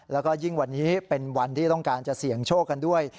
แล้วก็ยิ่งวันนี้เป็นวันที่ต้องการจะเสี่ยงโชคกันด้วย